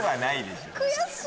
悔しい！